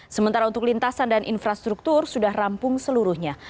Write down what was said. sementara untuk lintasan dan infrastruktur sudah rampung seluruhnya